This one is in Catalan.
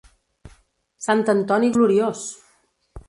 Sant Antoni gloriós!